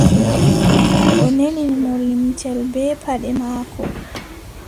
O nelini mo limcel bee paɗe maako.